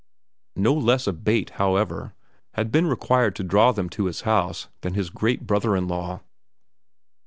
No less a bait, however, had been required to draw them to his house than his great brother in law.